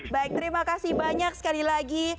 baik terima kasih banyak sekali lagi